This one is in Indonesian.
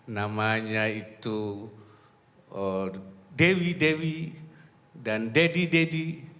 namanya itu dewi dewi dan dedi dedi